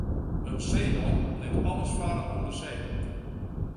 In seeman lit alles farre om de see.